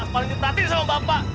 sepaling diterhati sama bapak